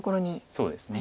そうですね。